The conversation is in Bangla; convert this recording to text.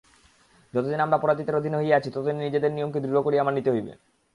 যতদিন আমরা পরজাতির অধীন হইয়া আছি ততদিন নিজেদের নিয়মকে দৃঢ় করিয়া মানিতে হইবে।